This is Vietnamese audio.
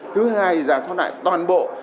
thứ hai là sau này toàn bộ